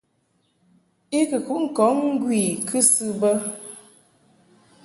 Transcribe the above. I kɨ kuʼ ŋkɔŋ ŋgwi I kɨsɨ bə.